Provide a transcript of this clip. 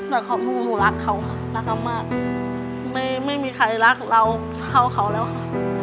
แต่ก็ทั้งคู่หนูรักเขารักเขามากไม่มีใครรักเราเขาเขาแล้วค่ะ